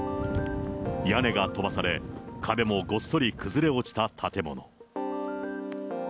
屋根が飛ばされ、壁もごっそり崩れ落ちた建物。